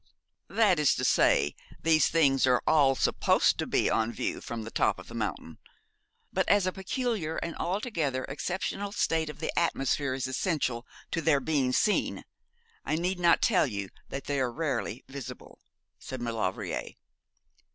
'That is to say these things are all supposed to be on view from the top of the mountain; but as a peculiar and altogether exceptional state of the atmosphere is essential to their being seen, I need not tell you that they are rarely visible,' said Maulevrier.